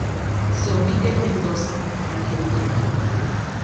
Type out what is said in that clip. Se ubica en Mendoza, Argentina.